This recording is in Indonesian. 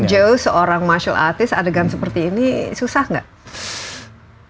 bagi jo seorang martial artist adegan seperti ini susah gak